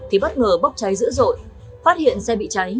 thì bất ngờ bốc trái dữ dội phát hiện xe bị trái